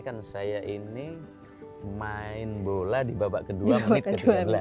kan saya ini main bola di babak kedua menit ke sembilan belas